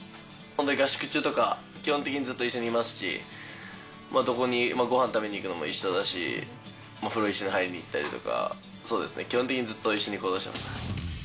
合宿中とか、基本的にずっと一緒にいますし、どこに、ごはん食べに行くのも一緒だし、お風呂一緒に入りに行ったりとか、そうですね、基本的にずっと一緒に行動してます。